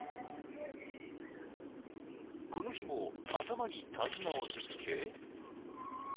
［この日も頭に手綱をつけ］